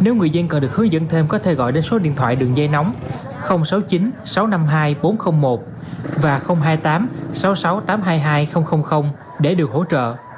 nếu người dân cần được hướng dẫn thêm có thể gọi đến số điện thoại đường dây nóng sáu mươi chín sáu trăm năm mươi hai bốn trăm linh một và hai mươi tám sáu mươi sáu tám trăm hai mươi hai để được hỗ trợ